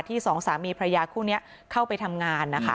ที่สองสามีพระยาคู่นี้เข้าไปทำงาน